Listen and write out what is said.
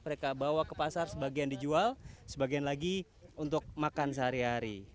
mereka bawa ke pasar sebagian dijual sebagian lagi untuk makan sehari hari